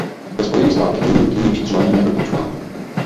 Ve Spojených státech není rutinní vyšetření nijak doporučováno.